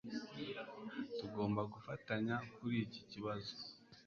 Tugomba gufatanya kuri iki kibazo